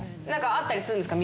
会ったりするんですか？